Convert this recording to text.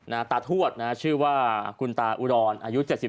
ตากุณทวดชื่อว่าคุณตาอุดรอลอายุ๗๓ปี